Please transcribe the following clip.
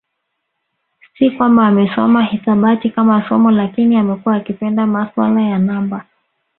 Si kwamba amesoma hisabati kama somo lakini amekuwa akipenda masuala ya namba